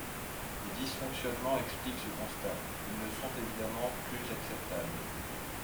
Des dysfonctionnements expliquent ce constat, ils ne sont évidemment plus acceptables.